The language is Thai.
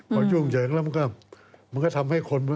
พอยุ่งเหยิงแล้วมันก็ทำให้คน